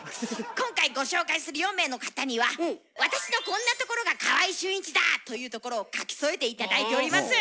今回ご紹介する４名の方には「私のこんなところが川合俊一だ！」というところを書き添えて頂いております。